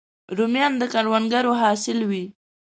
رومیان د کروندګرو حاصل وي